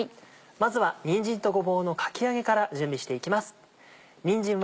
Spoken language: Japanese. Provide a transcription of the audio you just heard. まずはにんじんとごぼうのかき揚げから準備していきます。